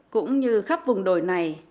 cũng như khắp vùng đồi này